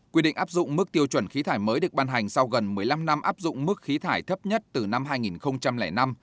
quy định áp dụng mức tiêu chuẩn khí thải mới được ban hành sau gần một mươi năm năm áp dụng mức khí thải thấp nhất từ năm hai nghìn năm